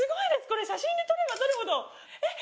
これ写真で撮れば撮るほど。